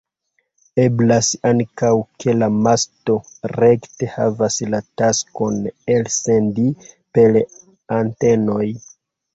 Eblas ankaŭ ke la masto rekte havas la taskon elsendi per antenoj.